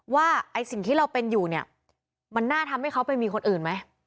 ว่าไอ้สิ่งที่เราเป็นอยู่เนี่ยมันน่าทำให้เขาไปมีคนอื่นไหม